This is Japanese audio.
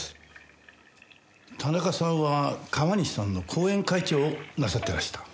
田中さんは川西さんの後援会長をなさってらした？